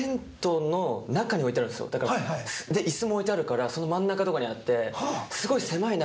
へぇ！で椅子も置いてあるからその真ん中とかにあって。